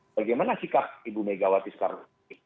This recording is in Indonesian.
bagaimana sikap ibu mega watis karun